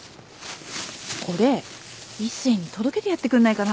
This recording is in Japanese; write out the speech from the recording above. これ一星に届けてやってくれないかな？